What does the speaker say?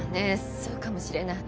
そうかもしれない。